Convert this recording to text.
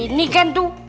ini kan tuh